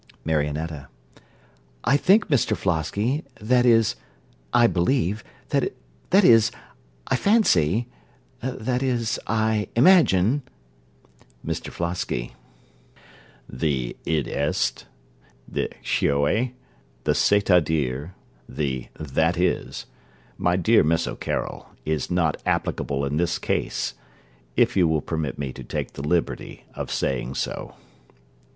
MARIONETTA I think, Mr Flosky that is, I believe that is, I fancy that is, I imagine MR FLOSKY The [Greek: toytesti], the id est, the cioè, the c'est à dire, the that is, my dear Miss O'Carroll, is not applicable in this case if you will permit me to take the liberty of saying so.